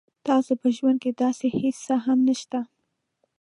تاسو په ژوند کې داسې هیڅ څه هم نشته